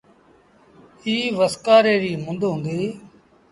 ايٚ وسڪآري ريٚ مند هُݩديٚ۔